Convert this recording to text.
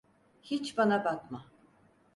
Hiç bana bakma.